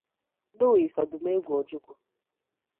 Louis Ọdụmegwu Ojukwu